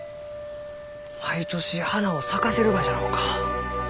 毎年花を咲かせるがじゃろうか。